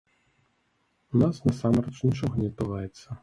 У нас насамрэч нічога не адбываецца.